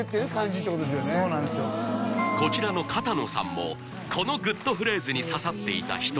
こちらの片野さんもこのグッとフレーズに刺さっていた１人